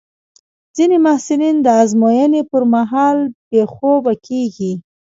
ځینې محصلین د ازموینو پر مهال بې خوبه کېږي.